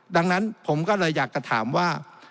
ดังนั้นผมก็เลยอยากจะถามว่า